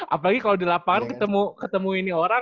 apalagi kalau di lapangan ketemu ini orang